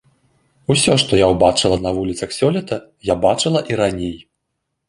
Усё што я ўбачыла на вуліцах сёлета, я бачыла і раней.